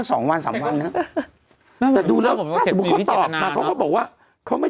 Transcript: สองวันสามวันเนอะเดี๋ยวที่นี้กับคำขอบเขาบอกว่าเขาไม่